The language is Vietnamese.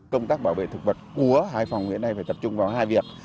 công tác bảo vệ thực vật của hải phòng hiện nay phải tập trung vào hai việc